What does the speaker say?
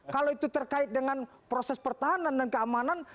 kalau itu terkait dengan proses pertahanan dan keamanan